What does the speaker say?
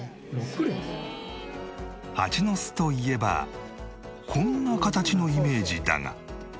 ハチの巣といえばこんな形のイメージだが。